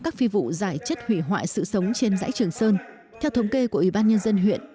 các phi vụ giải chất hủy hoại sự sống trên dãy trường sơn theo thống kê của ủy ban nhân dân huyện